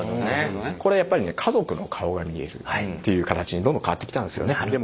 これはやっぱりね家族の顔が見えるっていう形にどんどん変わってきたんですよね。